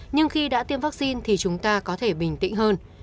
nhưng khi đã tiêm vaccine thì chúng ta có thể bình tĩnh hơn